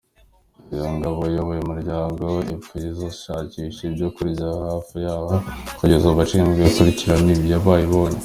Iyo ingabo iyoboye umuryango ipfuye zishakisha ibyo kurya hafi yayo, kugeza abashinzwe kuzikurikirana bayibonye.